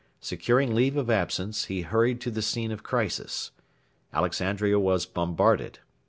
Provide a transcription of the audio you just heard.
Securing leave of absence, he hurried to the scene of crisis. Alexandria was bombarded.